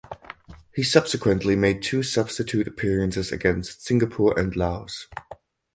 He subsequently made two substitute appearances against Singapore and Laos.